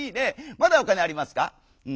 まだほかにありますか？」。